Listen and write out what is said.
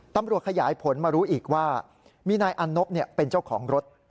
ตำรวจขยายผลมารู้อีกว่ามีนายอันนบเป็นเจ้าของรถ